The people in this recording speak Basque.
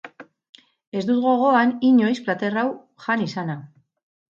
Ez dut gogoan inoiz plater hau jan izana.